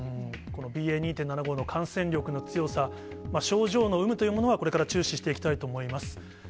このＢＡ．２．７５の感染力の強さ、症状の有無というものは、これから注視していきたいと思います。